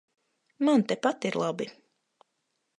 Man tepat ir labi.